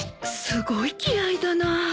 すごい気合だなあ。